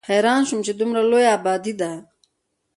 حېران شوم چې دومره لويه ابادي ده